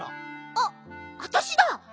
あっわたしだ！